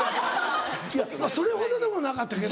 それほどでもなかったけど。